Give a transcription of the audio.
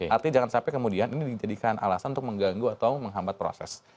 artinya jangan sampai kemudian ini dijadikan alasan untuk mengganggu atau menghambat proses